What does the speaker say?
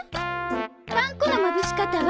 パン粉のまぶし方は。